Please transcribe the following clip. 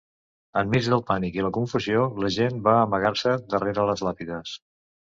En mig del pànic i la confusió, la gent va amagar-se darrera les làpides.